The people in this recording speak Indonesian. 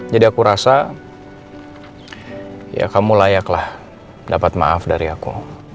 jadi aku rasa ya kamu layak lah dapat maaf dari aku